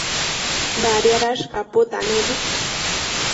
Badiadash caputanebi